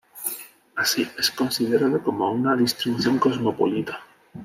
Así es considerado con una distribución cosmopolita.